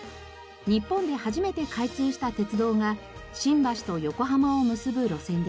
日本で初めて開通した鉄道が新橋と横浜を結ぶ路線でした。